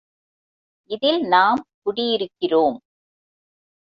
இதில் நாம் குடியிருக்கிறோம்.